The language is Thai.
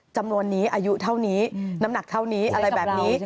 จำนวนนี้อายุเท่านี้น้ำหนักเท่านี้อะไรแบบนี้